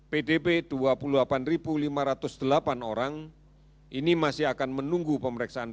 pdp dua puluh delapan lima ratus delapan orang ini masih akan menunggu pemeriksaan pc